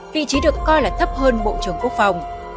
vị trí được coi là thấp hơn bộ trưởng quốc phòng